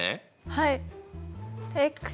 はい。